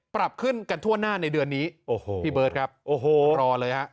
ปรับขึ้นกันทั่วหน้าในเดือนนี้โอ้โหพี่เบิร์ตครับโอ้โหรอเลยฮะ